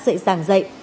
dậy dàng dậy